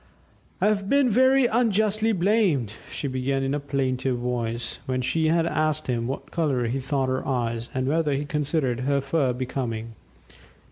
"I've been very unjustly blamed," she began in a plaintive voice, when she had asked him what colour he thought her eyes, and whether he considered her fur becoming.